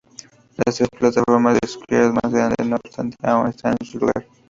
Las tres plataformas del zigurat más grande, no obstante, aún están en su lugar.